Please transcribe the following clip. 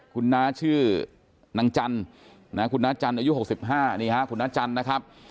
คุณน้าชื่อนางจัลน้าอายุ๖๕ผมคุณน้าจัลนะครับ